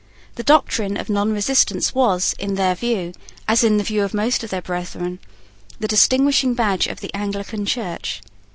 The doctrine of nonresistance was, in their view, as in the view of most of their brethren, the distinguishing badge of the Anglican Church.